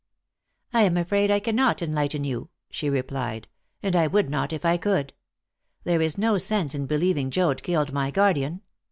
"I am afraid I cannot enlighten you," she replied, "and I would not if I could. There is no sense in believing Joad killed my guardian.